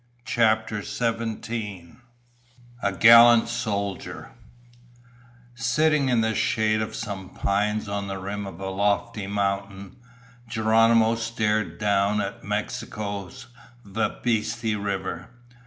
CHAPTER SEVENTEEN A Gallant Soldier Sitting in the shade of some pines on the rim of a lofty mountain, Geronimo stared down at Mexico's Bavispe River.